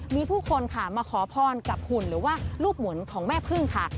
มีผู้คนค่ะมาขอพรกับหุ่นหรือว่ารูปหมุนของแม่พึ่งค่ะ